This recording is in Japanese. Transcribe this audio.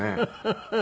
フフフフ。